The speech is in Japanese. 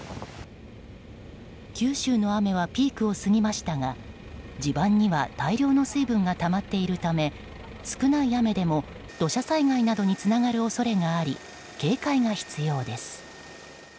九州の雨はピークを過ぎましたが地盤には大量の水分がたまっているため少ない雨でも土砂災害などにつながる恐れがあり警戒が必要です。